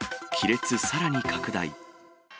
亀裂さらに拡大。